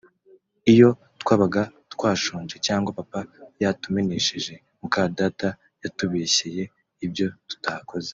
iyo twabaga twashonje cyangwa papa yatumeneshe mukadata yatubeshyeye ibyo tutakoze